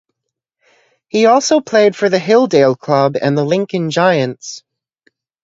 He also played for the Hilldale Club and the Lincoln Giants.